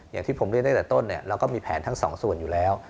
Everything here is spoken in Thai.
อย่างที่ผมเรียนตั้งแต่ต้นเราก็มีแผนทั้งสองส่วนอยู่แล้ว